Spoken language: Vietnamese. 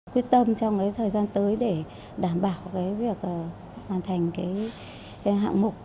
quyết tâm trong thời gian tới để đảm bảo việc hoàn thành hạng mục